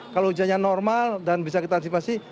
kalau hujannya normal dan bisa kita antisipasi